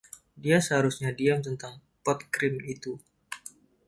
Dia seharusnya diam tentang pot krim itu.